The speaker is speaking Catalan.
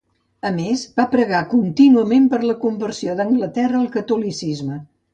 A més, va pregar contínuament per la conversió d'Anglaterra al catolicisme.